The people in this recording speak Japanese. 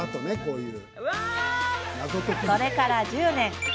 それから１０年。